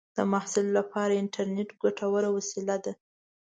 د محصل لپاره انټرنېټ ګټوره وسیله ده.